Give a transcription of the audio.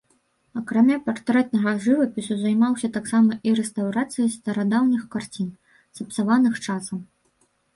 Акрамя партрэтнага жывапісу займаўся таксама і рэстаўрацыяй старадаўніх карцін, сапсаваных часам.